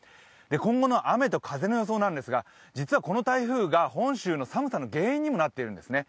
今後の雨と風の予想ですが、実はこの台風が本州の寒さの原因にもなっているんですね。